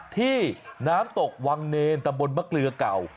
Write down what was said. ที่น้ำตกวังเนรตำบลมะเกลือเก่า